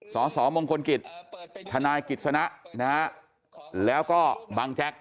สสมงคลกิจทนายกิจสนะนะฮะแล้วก็บังแจ็ค